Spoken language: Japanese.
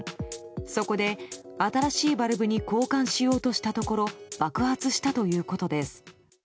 そこで、新しいバルブに交換しようとしたところ爆発したということです。